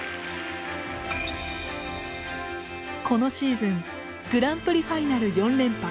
このシーズングランプリファイナル４連覇。